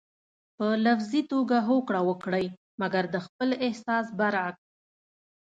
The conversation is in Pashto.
په لفظي توګه هوکړه وکړئ مګر د خپل احساس برعکس.